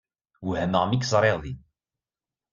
Wehmeɣ mi k-ẓriɣ din.